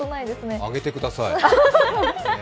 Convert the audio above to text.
あげてください！